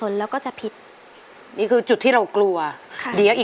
ร้องได้ให้ร้องได้